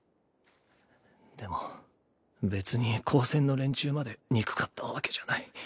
でも別に高専の連中まで憎かったわけじゃない。